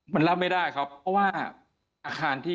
มันรับไม่ได้ครับเพราะว่า